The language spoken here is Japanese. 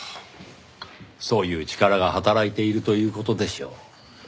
そういう力が働いているという事でしょう。